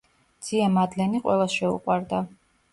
ძია მადლენი ყველას შეუყვარდა.